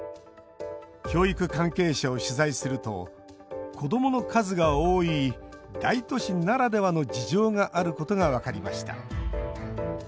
教育関係者を取材すると子どもの数が多い大都市ならではの事情があることが分かりました。